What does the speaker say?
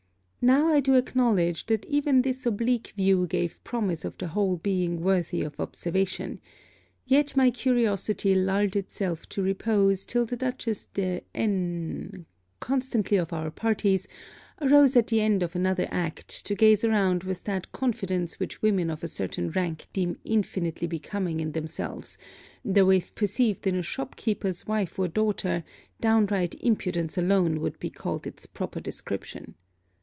Now I do acknowledge that even this oblique view gave promise of the whole being worthy of observation; yet my curiosity lulled itself to repose till the Dutchess de N (constantly of our parties) arose at the end of another act, to gaze around with that confidence which women of a certain rank deem infinitely becoming in themselves, though if perceived in a shopkeeper's wife or daughter downright impudence alone would be called its proper description.